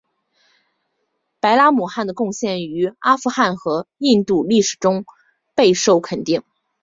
白拉姆汗的贡献于阿富汗和印度历史中备受肯定。